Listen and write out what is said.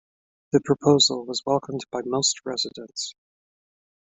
The proposal was welcomed by most residents.